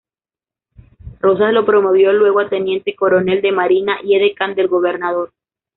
Rosas lo promovió luego a teniente coronel de Marina y edecán del gobernador.